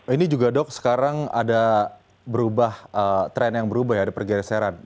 ini juga dok sekarang ada berubah tren yang berubah ya ada pergeseran